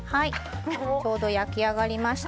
ちょうど焼き上がりました。